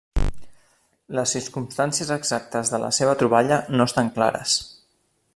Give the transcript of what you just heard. Les circumstàncies exactes de la seva troballa no estan clares.